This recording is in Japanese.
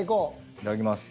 いただきます。